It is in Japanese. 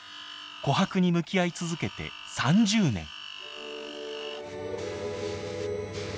琥珀に向き合い続けて３０年。